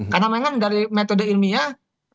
karena memang dari metode ilmiah